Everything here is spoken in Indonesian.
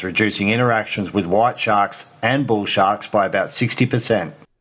mengurangkan interaksi dengan hantu putih dan hantu hantu di sekitar enam puluh